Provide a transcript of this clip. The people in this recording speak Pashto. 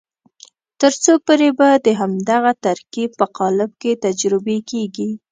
تر څو پورې به د همدغه ترکیب په قالب کې تجربې کېږي.